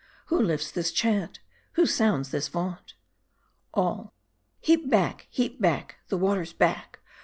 Who lifts this chant ? Who sounds this vaunt? Heap back ; heap back ;' the waters back